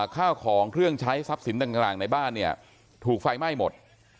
ข้าวของเครื่องใช้ทรัพย์สินต่างในบ้านเนี่ยถูกไฟไหม้หมด